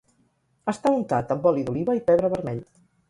està untat amb oli d'oliva i pebre vermell